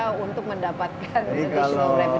cara untuk mendapatkan additional revenue ya